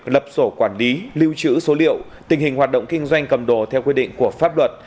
lập sổ quản lý lưu trữ số liệu tình hình hoạt động kinh doanh cầm đồ theo quy định của pháp luật